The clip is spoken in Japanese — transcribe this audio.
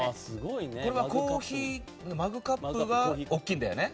これはコーヒーのマグカップが大きいんだよね？